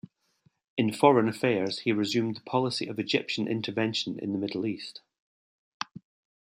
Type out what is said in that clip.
In foreign affairs, he resumed the policy of Egyptian intervention in the Middle East.